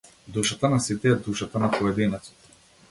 Душата на сите е душата на поединецот.